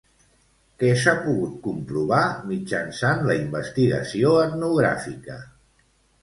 Què s'ha pogut comprovar mitjançant la investigació etnogràfica?